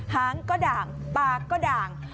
หางก็ด่างปากก็ด่าง